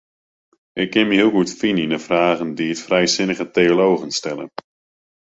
Ik kin my heel goed fine yn de fragen dy't frijsinnige teologen stelle.